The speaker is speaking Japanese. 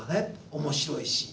面白いし。